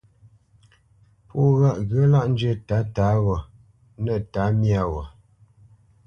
Pɔ̌ ŋgǔt ŋgyə̌ lâʼ njyə́ tǎtǎ wɔ̌ nə̂ tǎmyā wɔ̌.